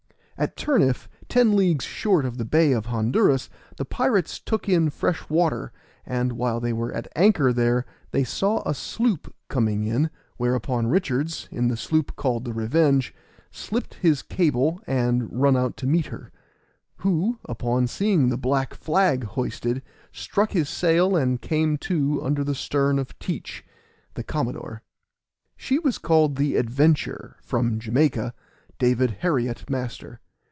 At Turniff, ten leagues short of the Bay of Honduras, the pirates took in fresh water, and while they were at anchor there, they saw a sloop coming in, whereupon Richards, in the sloop called the Revenge, slipped his cable and run out to meet her; who, upon seeing the black flag hoisted, struck his sail and came to under the stern of Teach, the commodore. She was called the Adventure, from Jamaica, David Harriot, master.